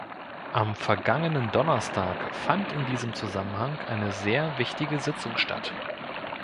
Am vergangenen Donnerstag fand in diesem Zusammenhang eine sehr wichtige Sitzung statt.